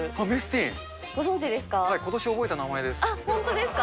ご存じですか？